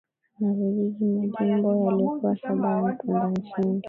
na vijiji Majimbo yalikuwa saba ya Mpemba Nsundi